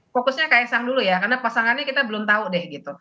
fokusnya kaisang dulu ya karena pasangannya kita belum tahu deh gitu